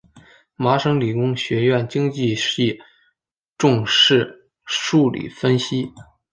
麻省理工学院经济系重视数理分析。